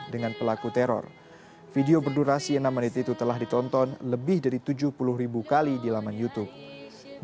dengan pelaku teror video berdurasi enam menit itu telah ditonton lebih dari tujuh puluh ribu kali di laman youtube